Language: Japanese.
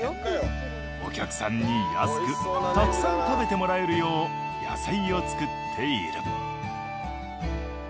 お客さんに安くたくさん食べてもらえるよう野菜を作っている。